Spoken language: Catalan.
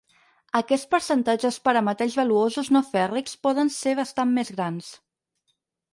Aquests percentatges per a metalls valuosos no fèrrics poden ser bastant més grans.